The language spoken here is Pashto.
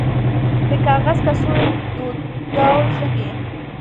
د کاغذ کڅوړې دودول ښه دي